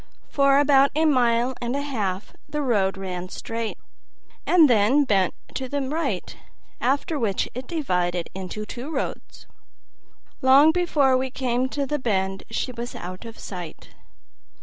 For about a mile and a half the road ran straight, and then bent to the right, after which it divided into two roads. Long before we came to the bend she was out of sight.